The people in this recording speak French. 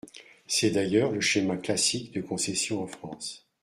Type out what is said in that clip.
C’est d’ailleurs le schéma classique de concession en France.